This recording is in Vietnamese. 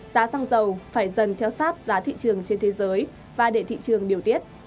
giá xăng dầu phải dần theo sát giá thị trường trên thế giới và để thị trường điều tiết